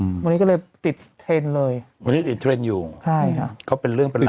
อืมวันนี้ก็เลยติดเทรนด์เลยวันนี้ติดเทรนด์อยู่ใช่ค่ะก็เป็นเรื่องประหลา